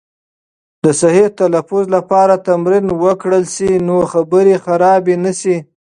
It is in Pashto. د صحیح تلفظ لپاره تمرین وکړل سي، نو خبرې خرابې نه سي.